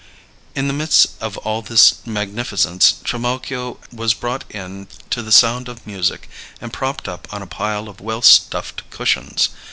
In the midst of all this magnificence Trimalchio was brought in to the sound of music and propped up on a pile of well stuffed cushions.